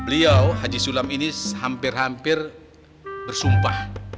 lu jangan macem macem ya